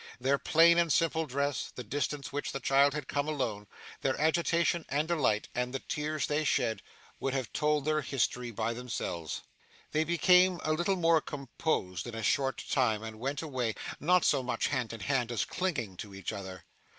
Their plain and simple dress, the distance which the child had come alone, their agitation and delight, and the tears they shed, would have told their history by themselves. They became a little more composed in a short time, and went away, not so much hand in hand as clinging to each other.